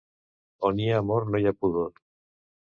On hi ha amor no hi ha pudor.